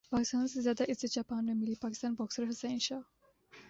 پاکستان سے زیادہ عزت جاپان میں ملی پاکستانی باکسر حسین شاہ